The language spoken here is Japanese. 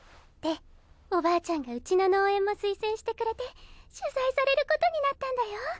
でおばあちゃんがうちの農園も推薦してくれて取材されることになったんだよ。